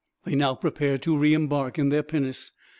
They now prepared to re embark in their pinnace.